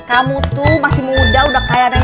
kamu tuh masih muda udah kayak nenek nenek